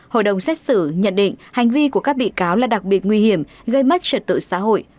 hội đồng xét xử nhận định hành vi của các bị cáo là đặc biệt nguy hiểm gây mất trật tự xã hội